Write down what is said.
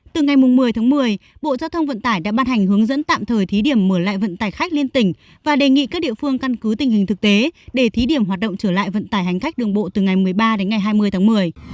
từ ngày một mươi tháng một mươi bộ giao thông vận tải đã ban hành hướng dẫn tạm thời thí điểm mở lại vận tải khách liên tỉnh và đề nghị các địa phương căn cứ tình hình thực tế để thí điểm hoạt động trở lại vận tải hành khách đường bộ từ ngày một mươi ba đến ngày hai mươi tháng một mươi